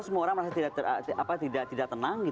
semua orang merasa tidak tenang